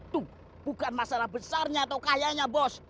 tuh bukan masalah besarnya atau kayanya bos